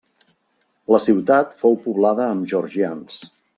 La ciutat fou poblada amb georgians.